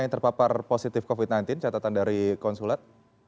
yang terpapar positif covid sembilan belas catatan dari konsulat